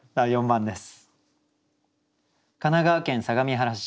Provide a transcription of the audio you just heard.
４番です。